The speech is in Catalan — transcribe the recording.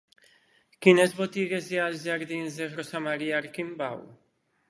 Quines botigues hi ha als jardins de Rosa Maria Arquimbau?